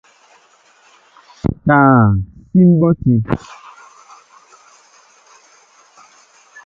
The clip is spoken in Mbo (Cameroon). Taa síi mbɔti.